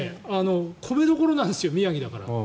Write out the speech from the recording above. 米どころなんです宮城だから。